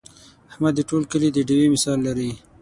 احمد د ټول کلي د ډېوې مثال لري.